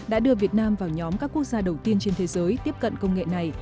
đã đưa việt nam vào nhóm các quốc gia đầu tiên trên thế giới tiếp cận công nghệ này